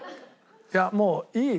いやもういい。